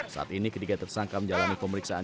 saat ini ketiga tersangka menjalani pemeriksaan